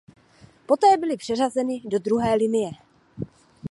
Poté byly přeřazeny do druhé linie.